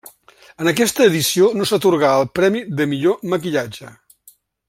En aquesta edició no s'atorgà el premi de millor maquillatge.